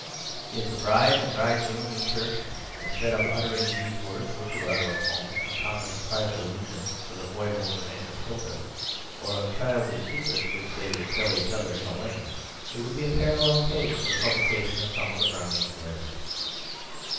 If the bride and bridegroom in church, instead of uttering those words, were to utter a poem compounded of private allusions to the foibles of Aunt Matilda, or of childish secrets which they would tell each other in a lane, it would be a parallel case to the publication of some of the Browning Letters.